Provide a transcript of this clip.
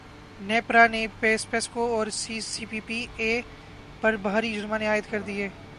نیپرا نے پیسکو اور سی پی پی اے پر بھاری جرمانے عائد کردیے